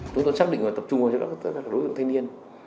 chúng tôi xác định và tập trung vào cho các đối tượng thanh niên